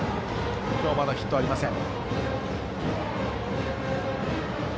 今日まだヒットはありません。